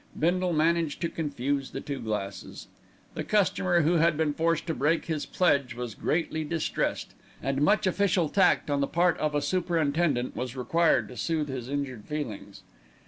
Bindle managed to confuse the two glasses. The customer who had been forced to break his pledge was greatly distressed, and much official tact on the part of a superintendent was required to soothe his injured feelings.